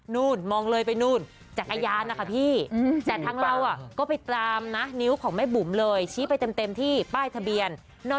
นู่นมองเลยไปนู่นจักรยานนะคะพี่แต่ทางเราก็ไปตามนะนิ้วของแม่บุ๋มเลยชี้ไปเต็มที่ป้ายทะเบียน